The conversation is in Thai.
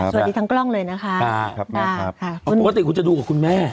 ปกติคุณจะดูกับคุณแม่